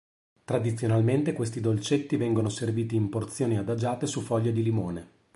Tradizionalmente questi dolcetti vengono serviti in porzioni adagiate su foglie di limone.